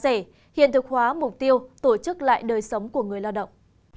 giá rẻ hiện thực hóa mục tiêu tổ chức lại đời sống của người lao động